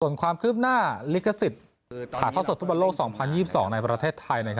ส่วนความคืบหน้าลิขสิทธิ์ถ่ายทอดสดฟุตบอลโลก๒๐๒๒ในประเทศไทย